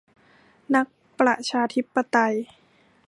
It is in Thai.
นักประชาธิปไตย